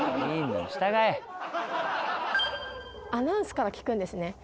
アナウンスから聴くんですね